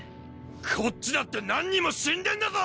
こっちだって何人も死んでんだぞ！